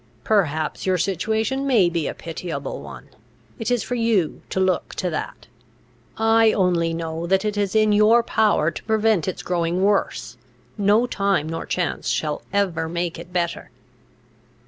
Perhaps your situation may be a pitiable one; it is for you to look to that. I only know that it is in your power to prevent its growing worse; no time nor chance shall ever make it better.